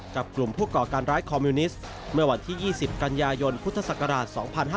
กับกลุ่มผู้ก่อการร้ายคอมมิวนิสต์เมื่อวันที่๒๐กันยายนพุทธศักราช๒๕๕๙